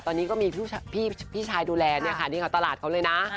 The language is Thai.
ตอนนี้ก็มีพี่ชายดูแลเนี่ยค่ะนี่ค่ะตลาดเขาเลยนะ